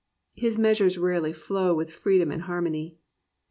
His meas ures rarely flow with freedom and harmony.